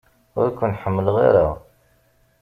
Ur ken-ḥemmleɣ ara!